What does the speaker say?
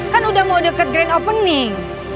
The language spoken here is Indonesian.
kan udah mau deket grand opening